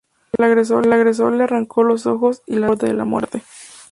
El agresor le arrancó los ojos y la dejó al borde de la muerte.